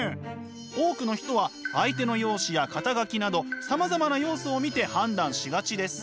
多くの人は相手の容姿や肩書などさまざまな要素を見て判断しがちです。